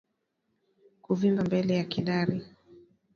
Kuvimba mbele ya kidari